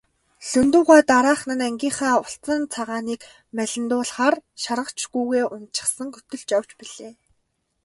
Лхүндэв гуай дараахан нь ангийнхаа улцан цагааныг малиндуулахаар шаргач гүүгээ уначихсан хөтөлж явж билээ.